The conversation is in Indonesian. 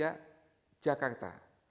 yang ketiga jakarta